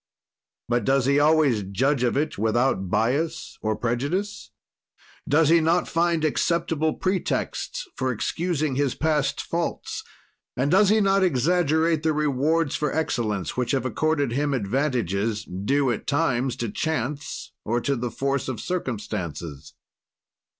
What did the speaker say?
"But does he always judge of it without bias or prejudice? "Does he not find acceptable pretexts for excusing his past faults and does he not exaggerate the rewards for excellence, which have accorded him advantages, due at times to chance or to the force of circumstances?